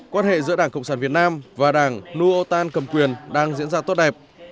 quan hệ giữa đảng cộng sản việt nam và đảng nu otan cầm quyền đang diễn ra tốt đẹp